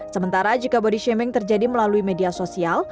sementara jika body shaming terjadi melalui media sosial